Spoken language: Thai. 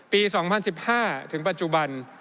๒๐๑๕ถึงปัจจุบัน